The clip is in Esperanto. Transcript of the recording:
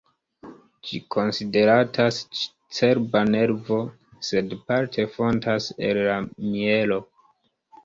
Ĝi konsideratas cerba nervo, sed parte fontas el la mjelo.